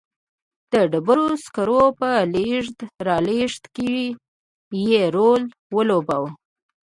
د ډبرو سکرو په لېږد رالېږد کې یې رول ولوباوه.